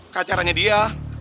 ke acaranya dia